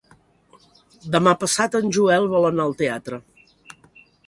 Demà passat en Joel vol anar al teatre.